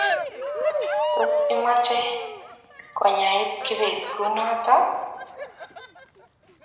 Tos, imache konyait kibet kunoto?